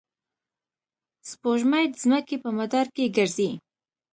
سپوږمۍ د ځمکې په مدار کې ګرځي.